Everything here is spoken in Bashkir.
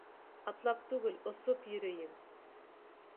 Атлап түгел, осоп йөрөйөм!